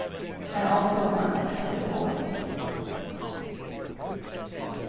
I also once had a boy!